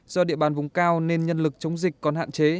do địa bàn vùng cao nên nhân lực chống dịch còn hạn chế